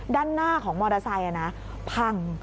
ด้านหน้าของมอเตอร์ไซค์พัง